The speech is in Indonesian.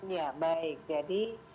ya baik jadi